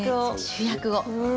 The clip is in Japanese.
主役を。